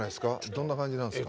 どんな感じなんですか？